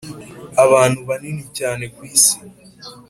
abantu banini cyane ku isi